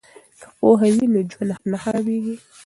که پوهه وي نو ژوند نه خرابیږي.